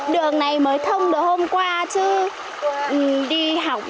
đường này mới thông được hôm qua chứ đi học